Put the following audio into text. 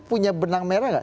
punya benang merah gak